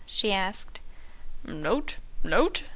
she asked. "Note? Note?"